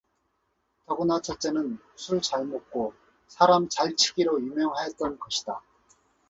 더구나 첫째는 술 잘 먹고 사람 잘 치기로 유명하였던 것이다.